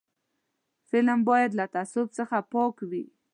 فلم باید له تعصب څخه پاک وي